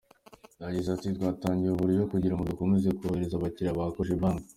Yagize ati “Twatangiye ubu buryo kugira ngo dukomeze korohereza abakiliya ba Cogebanque.